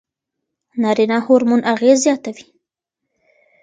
نارینه هورمون اغېز زیاتوي.